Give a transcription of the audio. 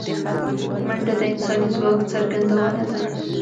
منډه د انساني ځواک څرګندونه ده